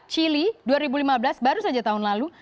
chile dua ribu lima belas baru saja tahun lalu